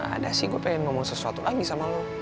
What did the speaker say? ada sih gue pengen ngomong sesuatu lagi sama lo